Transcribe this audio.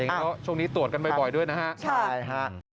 อย่างนี้ก็ช่วงนี้ตรวจกันบ่อยด้วยนะฮะใช่ค่ะใช่